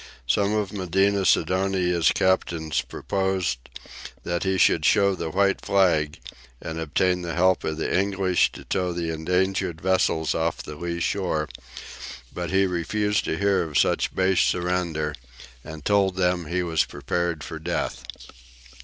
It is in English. Some of Medina Sidonia's captains proposed that he should show the white flag and obtain the help of the English to tow the endangered vessels off the lee shore, but he refused to hear of such base surrender, and told them he was prepared for death.